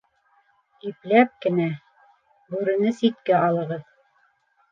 Ипләп кенә... бүрене ситкә алығыҙ.